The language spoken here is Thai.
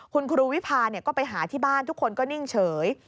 คุณครูวิพาก็ไปหาที่บ้านทุกคนก็นิ่งเฉย